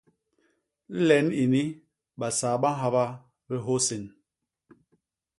Len ini basaa ba nhaba bihôsen.